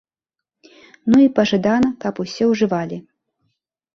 Ну і, пажадана, каб не ўжывалі.